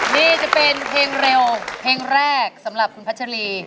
นี่จะเป็นเพลงเร็วเพลงแรกสำหรับคุณพัชรี